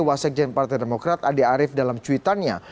wasekjen partai demokrat andi arief dalam cuitannya